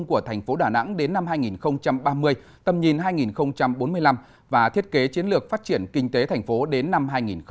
của thành phố đà nẵng đến năm hai nghìn ba mươi tầm nhìn hai nghìn bốn mươi năm và thiết kế chiến lược phát triển kinh tế thành phố đến năm hai nghìn bốn mươi